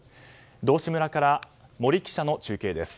道志村から森記者の中継です。